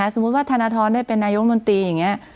ซมูลว่าธนธรณ์ได้เป็นนายุม้อนตีอย่างนี้